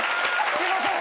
すいません。